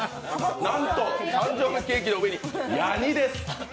なんと誕生日ケーキの上にヤニです。